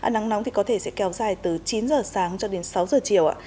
nắng nóng thì có thể sẽ kéo dài từ chín h sáng cho đến sáu h chiều